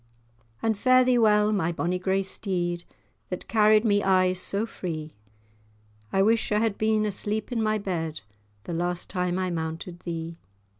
And fare thee well, my bonny grey steed, That carried me aye so free; I wish I had been asleep in my bed, The last time I mounted thee.